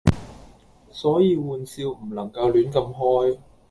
所以玩笑唔能夠亂咁開